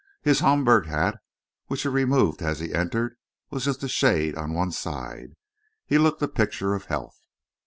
His Homburg hat, which he removed as he entered, was just a shade on one side. He looked the picture of health.